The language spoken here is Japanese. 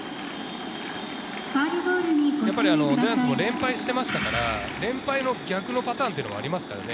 ジャイアンツも連敗していましたから、連敗の逆のパターンがありますからね。